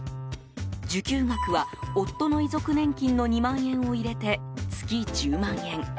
受給額は、夫の遺族年金の２万円を入れて、月１０万円。